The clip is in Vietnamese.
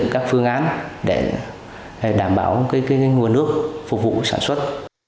các phương án để đảm bảo nguồn nước phục vụ sản xuất